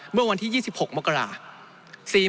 เมื่อวันที่๒๖มกรา